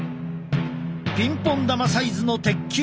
ピンポン球サイズの鉄球。